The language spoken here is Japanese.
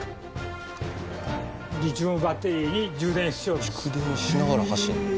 リチウムバッテリーに充電しよるんです。